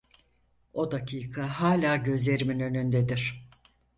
O dakika hala gözlerimin önündedir.